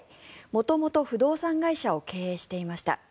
元々不動産会社を経営していました。